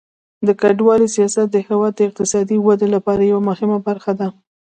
د کډوالۍ سیاست د هیواد د اقتصادي ودې لپاره یوه مهمه برخه ده.